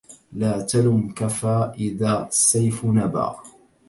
لا تلم كفي إذا السيف نبا